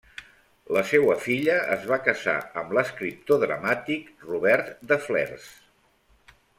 La seua filla es va casar amb l'escriptor dramàtic Robert de Flers.